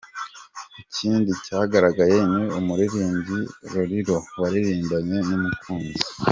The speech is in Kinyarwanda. Ikindi cyagaragaye ni umuririmbyi Lolilo waririmbanye numukunzi.